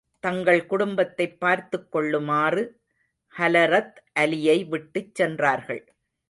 தங்கள் குடும்பத்தைப் பார்த்துக் கொள்ளுமாறு ஹலரத் அலியை விட்டுச் சென்றார்கள்.